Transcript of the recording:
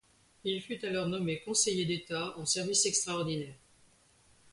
Il fut alors nommé conseiller d'État en service extraordinaire.